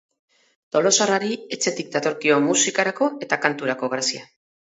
Tolosarrari etxetik datorkio musikarako eta kanturako grazia.